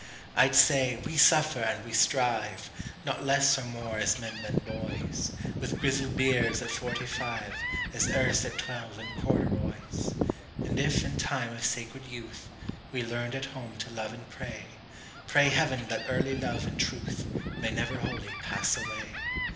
I'd say, we suffer and we strive, Not less or more as men than boys; With grizzled beards at forty five, As erst at twelve in corduroys. And if, in time of sacred youth, We learned at home to love and pray, Pray Heaven that early Love and TruthMay never wholly pass away.